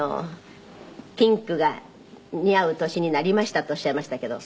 「ピンクが似合う年になりました」とおっしゃいましたけど。